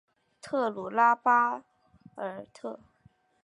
特鲁莱拉巴尔特。